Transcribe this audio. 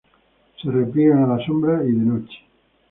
Se repliegan a la sombra y de noche.